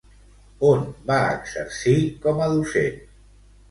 On va exercir com a docent?